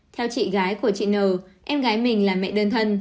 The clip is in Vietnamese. theo chị gái của chị n em gái mình là mẹ đơn thân